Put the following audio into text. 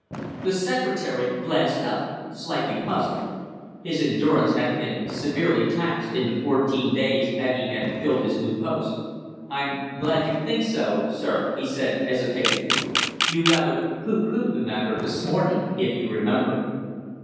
The secretary glanced up, slightly puzzled. His endurance had been severely taxed in the fourteen days that he had filled his new post. "I'm glad you think so, sir," he said, hesitatingly. "You rather pooh poohed the matter this morning, if you remember."